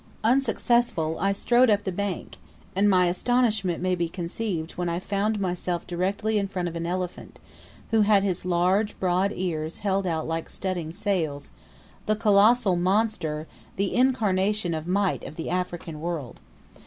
Unsuccessful, I strode up the bank, and my astonishment may be conceived when I found myself directly in front of an elephant, who had his large broad ears held out like studding sails the colossal monster, the incarnation of might of the African world.